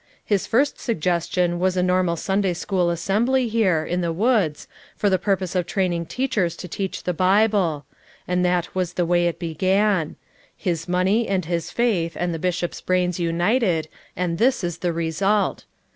His first suggestion was a normal Sunday school assembly here, in the woods, for the purpose of training teachers to teach the Bible; and that was the way it be gan; his money and his faith and the Bishop's brains united, and this is the result.